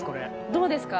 どうですか？